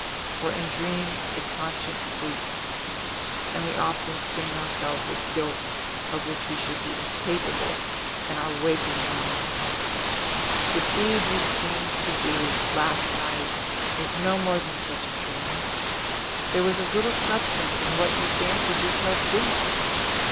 For in dreams the conscience sleeps, and we often stain ourselves with guilt of which we should be incapable in our waking moments. The deed you seemed to do, last night, was no more than such a dream; there was as little substance in what you fancied yourself doing.